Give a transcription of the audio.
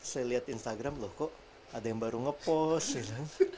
saya lihat instagram loh kok ada yang baru ngepost